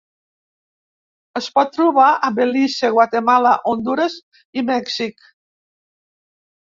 Es pot trobar en Belize, Guatemala, Hondures i Mèxic.